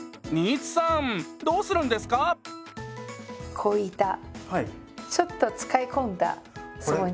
こういったちょっと使い込んだスポンジ。